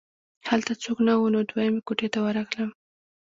هلته څوک نه وو نو دویمې کوټې ته ورغلم